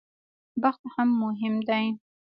بخت هم مهم دی.